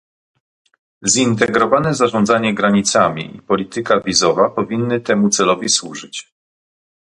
Zintegrowane zarządzanie granicami i polityka wizowa powinny temu celowi służyć